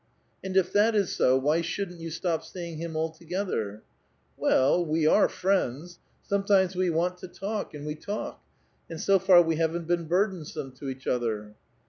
And if that is so, why shouldn't you stop seeing him altogether?" '* Well [c2a], we are friends ; sometimes we want to talk, and we talk, and so far we haven't been burdensome to each other."